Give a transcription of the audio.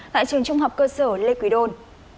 tại trường trung học cơ sở lê quỷ đôn